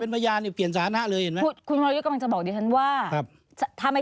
กำลังจะบอกดีชั้นว่า